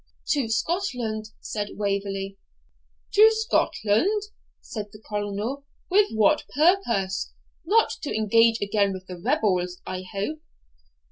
'To Scotland,' said Waverley. 'To Scotland?' said the Colonel; 'with what purpose? not to engage again with the rebels, I hope?'